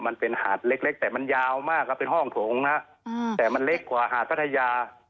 มันเป็นหาดเล็กแต่มันยาวมากครับเป็นห้องโถงนะแต่มันเล็กกว่าหาดพัทยา